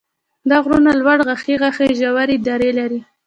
دا غرونه لوړ غاښي غاښي او ژورې درې لري.